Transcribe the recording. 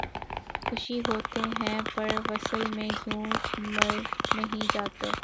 خوش ہوتے ہیں پر وصل میں یوں مر نہیں جاتے